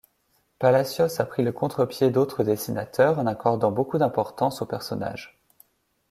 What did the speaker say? Palacios a pris le contre-pied d'autres dessinateurs en accordant beaucoup d'importance aux personnages.